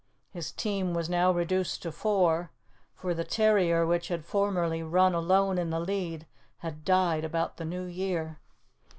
His team was now reduced to four, for the terrier which had formerly run alone in the lead had died about the new year.